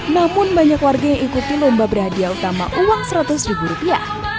namun banyak warga yang ikuti lomba berhadiah utama uang seratus ribu rupiah